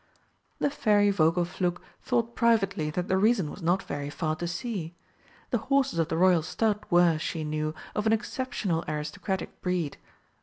The Fairy Vogelflug thought privately that the reason was not very far to see. The horses of the Royal stud were, she knew, of an exceptional aristocratic breed.